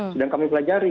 sedang kami pelajari